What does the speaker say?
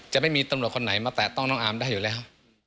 จะไม่มีตำรวจคนไหนมาแตะต้องน้องอามได้อยู่แล้ว